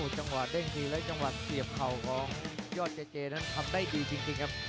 จังหวะเด้งทีและจังหวะเสียบเข่าของยอดเจเจนั้นทำได้ดีจริงครับ